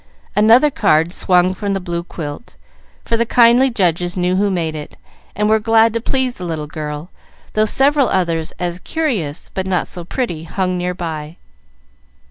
Another card swung from the blue quilt, for the kindly judges knew who made it, and were glad to please the little girl, though several others as curious but not so pretty hung near by.